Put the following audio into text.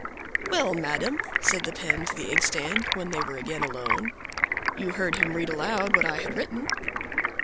"Well, madam," said the Pen to the Inkstand when they were again alone, "you heard him read aloud what I had written."